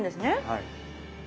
はい。